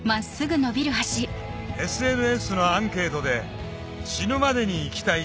ＳＮＳのアンケートで「死ぬまでに行きたい！